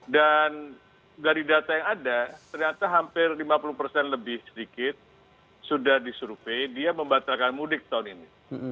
dari data yang ada ternyata hampir lima puluh persen lebih sedikit sudah disurvey dia membatalkan mudik tahun ini